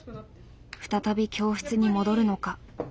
再び教室に戻るのか